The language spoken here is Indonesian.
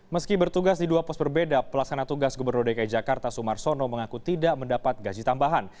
meski bertugas di dua pos berbeda pelaksana tugas gubernur dki jakarta sumar sono mengaku tidak mendapat gaji tambahan